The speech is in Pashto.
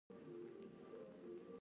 د شولو په پټیو کې چنگښې ځوږ جوړوي.